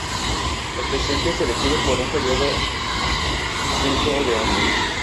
El presidente es elegido por un periodo cinco de años.